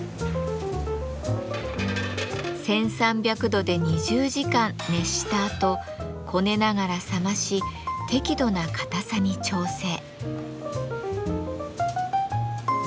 １，３００度で２０時間熱したあとこねながら冷まし適度な硬さに調整。